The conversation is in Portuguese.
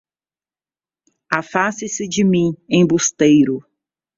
Afaste-se de mim, embusteiro